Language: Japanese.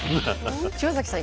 島崎さん